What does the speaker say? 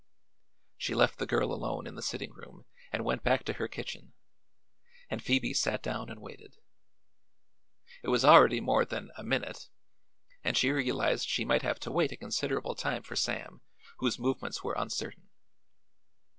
She left the girl alone in the sitting room and went back to her kitchen, and Phoebe sat down and waited. It was already more than "a minute" and she realized she might have to wait a considerable time for Sam, whose movements were uncertain.